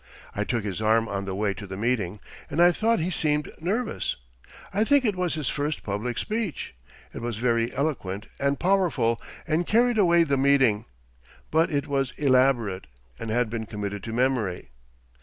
I took his arm on the way to the meeting, and I thought he seemed nervous. I think it was his first public speech. It was very eloquent and powerful, and carried away the meeting, but it was elaborate, and had been committed to memory.